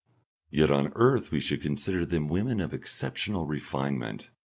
Yet on earth we should consider them women of exceptional refinement.